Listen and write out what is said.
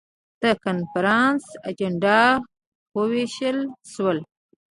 د کنفرانس اجندا وویشل شول.